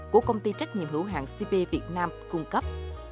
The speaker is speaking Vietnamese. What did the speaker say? của công ty trách nhiệm hữu hạng cp việt nam cung cấp